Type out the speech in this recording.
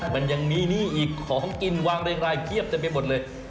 มันยังมีนี่อีกของกินวางรายเคียบแต่เป็นหมดเลย